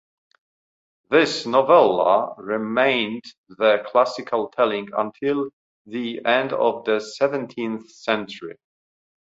This novella remained the classical telling until the end of the seventeenth century.